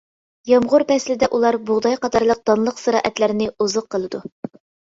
يامغۇر پەسلىدە ئۇلار بۇغداي قاتارلىق دانلىق زىرائەتلەرنى ئوزۇق قىلىدۇ.